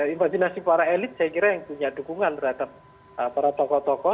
imajinasi para elit saya kira yang punya dukungan terhadap para tokoh tokoh